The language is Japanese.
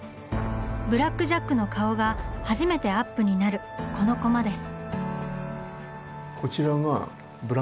ブラック・ジャックの顔が初めてアップになるこのコマです。